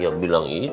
sampai jumpa lagi